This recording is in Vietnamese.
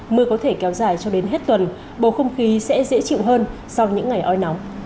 mưa có thể kéo dài cho đến hết tuần bầu không khí sẽ dễ chịu hơn sau những ngày oi nóng